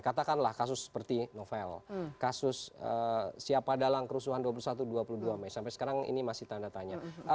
katakanlah kasus seperti novel kasus siapa dalam kerusuhan dua puluh satu dua puluh dua mei sampai sekarang ini masih tanda tanya